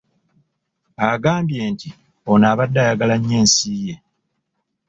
Agambye nti ono abadde ayagala nnyo ensi ye.